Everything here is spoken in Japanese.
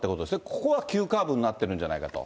ここが急カーブになっているんじゃないかと。